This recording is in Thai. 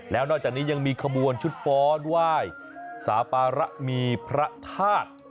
แล้วนอกจากนี้ยังมีขบวนชุดฟ้อนไหว้สาปาระมีพระธาตุ